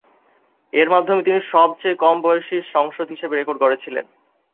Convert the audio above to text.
এর মাধ্যমে তিনি সব চেয়ে কম বয়সী সংসদ হিসেবে রেকর্ড গড়েছিলেন।